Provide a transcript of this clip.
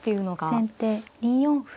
先手２四歩。